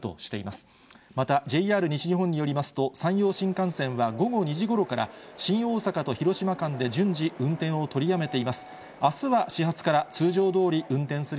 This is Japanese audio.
また、ＪＲ西日本によりますと、山陽新幹線は午後２時ごろから、新大阪と広島間で順次運転を取りやめています。